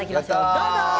どうぞ。